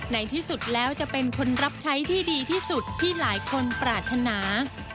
ในที่สุดแล้วจะเป็นคนรับใช้ที่ดีที่สุดที่หลายคนปรารถนา